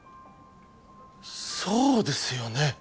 そうですよね。